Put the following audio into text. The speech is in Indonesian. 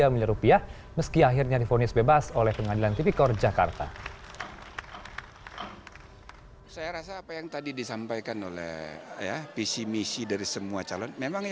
tiga miliar rupiah meski akhirnya difonis bebas oleh pengadilan tipikor jakarta